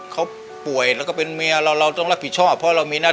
เขาป่วยแล้วก็เป็นเมียเราต้องรักผิดชอบ